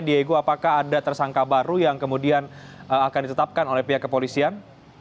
diego apakah ada tersangka baru yang kemudian akan ditetapkan oleh pihak kepolisian